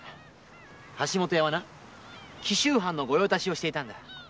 橋本屋は紀州藩の御用達をしていたんだ。